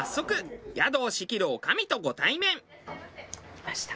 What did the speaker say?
いました。